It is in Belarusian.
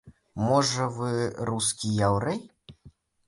Можа, вы рускі яўрэй?